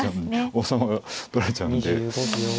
王様が取られちゃうんで。